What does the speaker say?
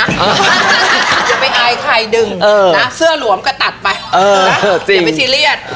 อย่าไปอายใครดึงนะเสื้อหลวมก็ตัดไปอย่าไปซีเรียส